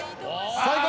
最高！